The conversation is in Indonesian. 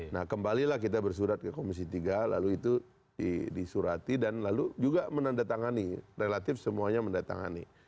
nah kembalilah kita bersurat ke komisi tiga lalu itu disurati dan lalu juga menandatangani relatif semuanya mendatangani